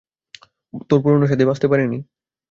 তোর পুরনো সাথী বাচতে পারে নি।